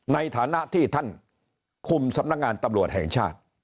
ในฐานะที่ท่านคุมสำนักงานตำรวจแห่งชาติ